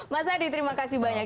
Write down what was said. mas adi terima kasih banyak